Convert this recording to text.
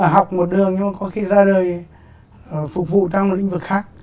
học một đường nhưng có khi ra đời phục vụ trong lĩnh vực khác